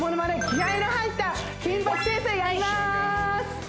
気合いの入った金八先生やります！